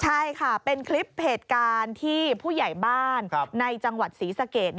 ใช่ค่ะเป็นคลิปเหตุการณ์ที่ผู้ใหญ่บ้านในจังหวัดศรีสะเกด